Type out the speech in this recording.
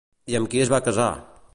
I amb qui es va casar?